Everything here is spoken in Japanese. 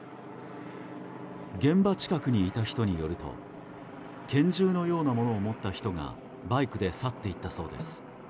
現場近くにいた人によると拳銃のようなものを持った人がバイクで去っていったそうです。